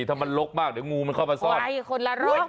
ถ้ามันลกมากเดี๋ยวงูมันเข้ามาซ่อน